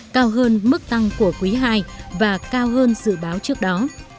cao hơn mức tăng của quý ii và cao hơn dự báo trước đó